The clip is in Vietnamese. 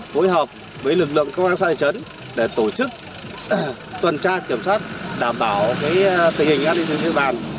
phối hợp với lực lượng công an xã hội chấn để tổ chức tuần tra kiểm soát đảm bảo tình hình an điện tự trên địa bàn